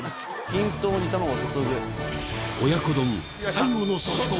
均等に卵を注ぐ。